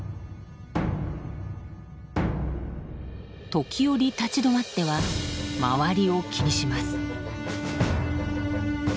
時折立ち止まっては周りを気にします。